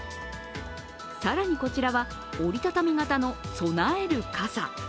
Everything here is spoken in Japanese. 更に、こちらは折り畳み型のそなえる傘。